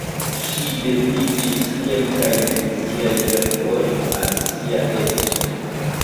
Ŝi dediĉis kelkajn el siaj verkoj al sia edzo.